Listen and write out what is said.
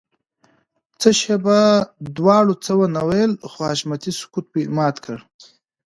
څه شېبه دواړو څه ونه ويل خو حشمتي سکوت مات کړ.